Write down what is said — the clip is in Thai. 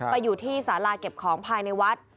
ไปอยู่ที่สาราเก็บของภายในวัด